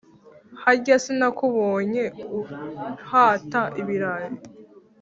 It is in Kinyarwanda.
harya sinakubonye uhata ibirayi!’